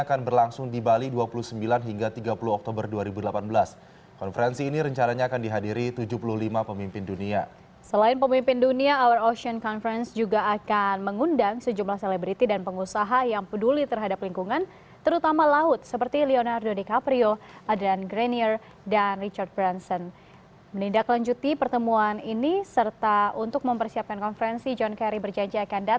kepada john kerry menteri susi menjelaskan mengenai persiapan indonesia untuk menjadi tuan rumah konferensi laut kita atau our ocean conference occ